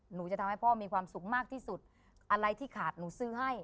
หนูจะทำให้พ่อมีความสุขมากที่สุดอะไรที่ขาดหนูซื้อให้